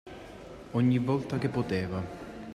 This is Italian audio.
Ogni volta che poteva